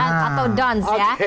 atau dons ya